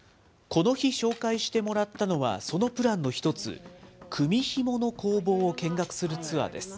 この日紹介してもらったのは、そのプランの１つ、組みひもの工房を見学するツアーです。